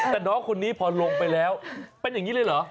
แต่น้องคนนี้พอลงไปแล้วเป็นอย่างนี้เลยเหรอ